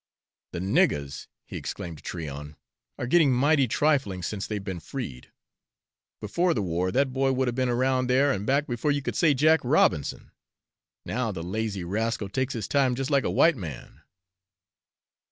"The niggers," he explained to Tryon, "are getting mighty trifling since they've been freed. Before the war, that boy would have been around there and back before you could say Jack Robinson; now, the lazy rascal takes his time just like a white man."